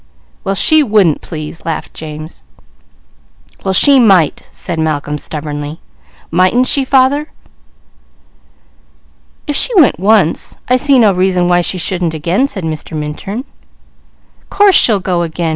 "Well she wouldn't please," laughed James. "Well she might," said Malcolm stubbornly. "Mightn't she, father?" "If she went once, I see no reason why she shouldn't again," said Mr. Minturn. "Course she'll go again!"